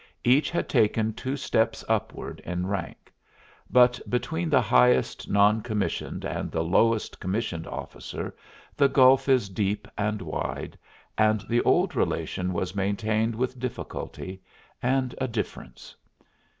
Each had taken two steps upward in rank, but between the highest non commissioned and the lowest commissioned officer the gulf is deep and wide and the old relation was maintained with difficulty and a difference.